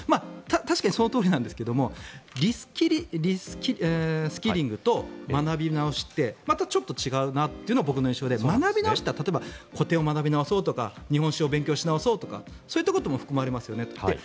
確かにそのとおりなんですがリスキリングと学び直しってまたちょっと違うなというのが僕の印象で学び直しというのは例えば古典を学び直そうとか日本史を勉強し直そうとかそういったことも含まれますね。